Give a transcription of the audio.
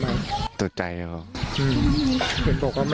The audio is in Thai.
ร้องไห้ครับ